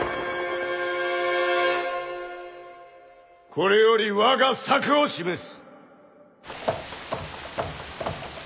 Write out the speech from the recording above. これより我が策を示す。